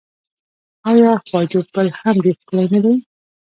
آیا خواجو پل هم ډیر ښکلی نه دی؟